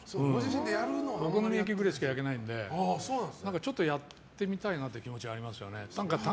お好み焼きくらいしか焼けないのでちょっとやってみたいなって気持ちはありますよね。